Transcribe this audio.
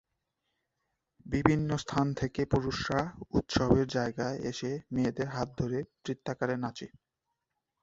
বিভিন্ন স্থান থেকে পুরুষরা উৎসবের জায়গায় এসে মেয়েদের হাত ধরে বৃত্তাকারে নাচে।